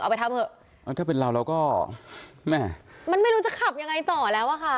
ไปทำเถอะถ้าเป็นเราเราก็แม่มันไม่รู้จะขับยังไงต่อแล้วอะค่ะ